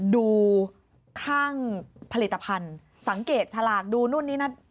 ดูข้างผลิตภัณฑ์สังเกตฉลากดูนู่นนี่นั่น